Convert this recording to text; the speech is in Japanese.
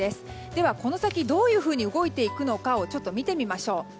ではこの先どういうふうに動いていくのかを見てみましょう。